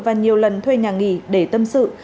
và nhiều lần thuê nhà nghỉ để tâm sự